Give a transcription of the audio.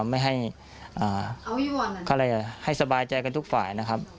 ไม่ให้สบายใจกันทุกฝ่ายนะครับ